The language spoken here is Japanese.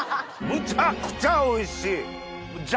むちゃくちゃおいしい！